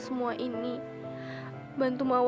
saya juga ingin berjuang sama kamu